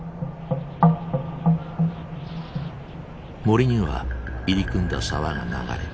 森には入り組んだ沢が流れ